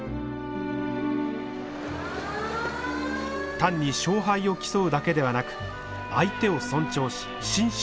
単に勝敗を競うだけではなく相手を尊重し真摯に野球に取り組む。